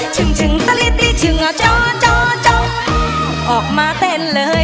ชึ่งชึ่งตริติชึ่งอ่ะจ้อจ้อจ้อออกมาเต้นเลย